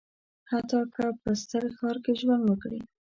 حتی که په ستر ښار کې ژوند وکړي.